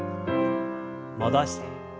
戻して。